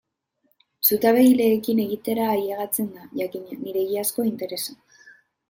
Zutabegileekin egitera ailegatzea da, jakina, nire egiazko interesa.